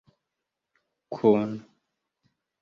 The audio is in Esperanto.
kun